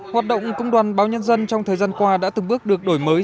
hoạt động công đoàn báo nhân dân trong thời gian qua đã từng bước được đổi mới